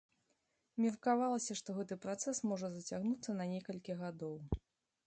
Меркавалася, што гэты працэс можа зацягнуцца на некалькі гадоў.